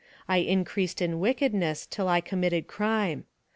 I increased in wickedness till I committed crime.